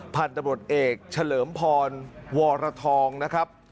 พันธุ์ตำรวจเอกเฉลิมพรวรทองนะครับ